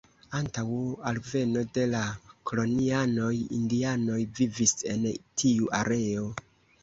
Antaŭ alveno de la kolonianoj indianoj vivis en tiu areo.